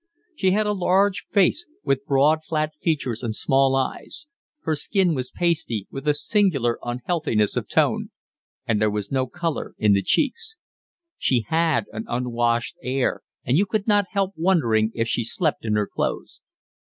She had a large face, with broad, flat features and small eyes; her skin was pasty, with a singular unhealthiness of tone, and there was no colour in the cheeks. She had an unwashed air and you could not help wondering if she slept in her clothes.